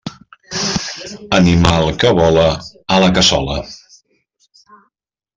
Animal que vola, a la cassola.